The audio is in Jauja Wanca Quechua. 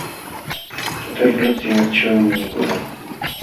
Tutaykuqluptin akchiwanmi mikuna.